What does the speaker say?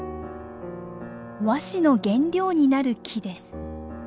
和紙の原料になる木です。